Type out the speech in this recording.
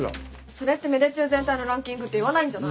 それって芽出中全体のランキングっていわないんじゃない？